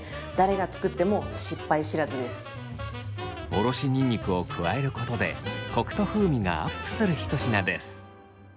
おろしにんにくを加えることでコクと風味がアップする一品です。